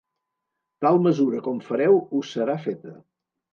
Tal mesura com fareu, us serà feta.